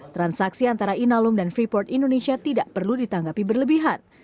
transaksi antara inalum dan freeport indonesia tidak perlu ditanggapi berlebihan